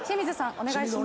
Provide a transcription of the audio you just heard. お願いします。